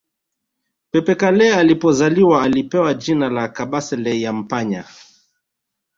Pepe Kalle alipozaliwa alipewa jina la Kabasele Yampanya